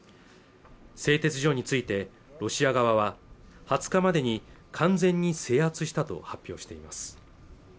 製鉄所についてロシア側は２０日までに完全に制圧したと発表しています